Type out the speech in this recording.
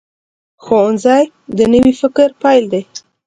ښوونځی د نوي فکر پیل دی